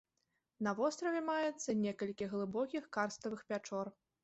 На востраве маецца некалькі глыбокіх карставых пячор.